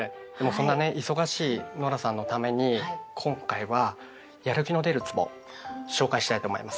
そんなね忙しいノラさんのために今回はやる気の出るつぼ紹介したいと思います。